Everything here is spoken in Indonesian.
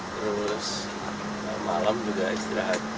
terus malam juga istirahat